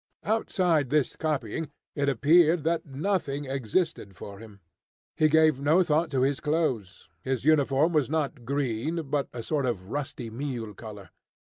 Outside this copying, it appeared that nothing existed for him. He gave no thought to his clothes. His uniform was not green, but a sort of rusty meal colour.